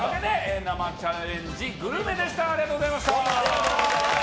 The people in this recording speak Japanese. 生チャレンジグルメでした。